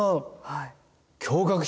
はい。